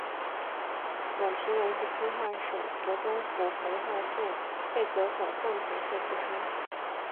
阮廷闻是清化省河中府弘化县沛泽总凤亭社出生。